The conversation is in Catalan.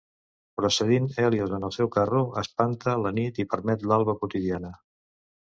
Precedint Hèlios en el seu carro, espanta la nit i permet l'alba quotidiana.